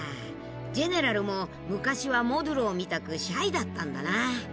ジェネラルも昔はモドゥローみたくシャイだったんだな。